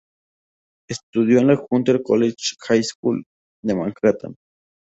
Estudió en la Hunter College High School de Manhattan.